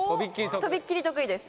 とびっきり得意です。